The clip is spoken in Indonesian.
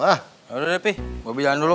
yaudah pi bobby jalan dulu